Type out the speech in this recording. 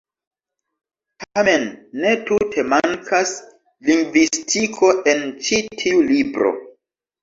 Tamen ne tute mankas lingvistiko en ĉi tiu libro.